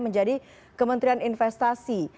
menjadi kementerian investasi